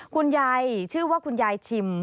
คุณยายชื่อว่าคุณยายชิม